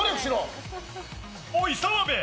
おい澤部！